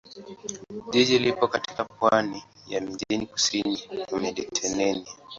Jiji lipo katika pwani ya mjini kusini mwa Mediteranea.